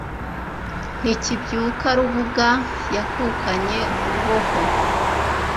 Ntikibyuka Rubuga, Yakukanye Ruboho